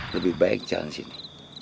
lebih baik jalan sini